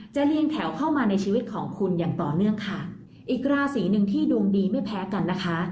เรียงแถวเข้ามาในชีวิตของคุณอย่างต่อเนื่องค่ะอีกราศีหนึ่งที่ดวงดีไม่แพ้กันนะคะ